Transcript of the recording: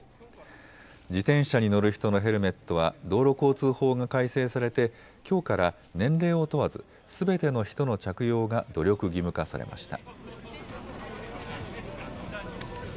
自転車に乗る人のヘルメットは道路交通法が改正されてきょうから年齢を問わずすべての人の着用が努力義務化されました。